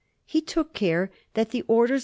He took care that the orders^.